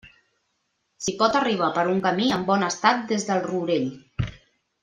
S'hi pot arribar per un camí en bon estat des del Rourell.